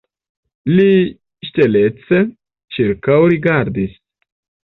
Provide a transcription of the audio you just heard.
Li ŝtelece ĉirkaŭrigardis.